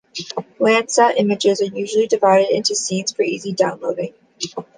Landsat images are usually divided into scenes for easy downloading.